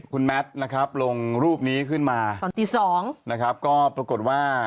คุณแมทนะครับลงรูปนี้ขึ้นมาตอนตีสองนะครับก็ปรากฏว่า